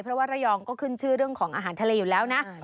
เพราะว่าระยองก็ขึ้นชื่อเรื่องของอาหารทะเลอยู่แล้วนะ